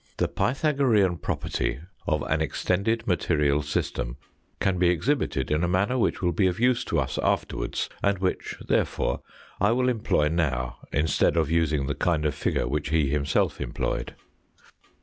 The Pythagorean property of an extended material system can be exhibited in a manner which will be of use to us afterwards, and which therefore I will employ now instead of using the kind of figure which he himself employed.